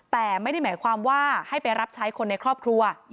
แต่ไม่ได้หมายความว่าให้ไปรับใช้คนในครอบครัว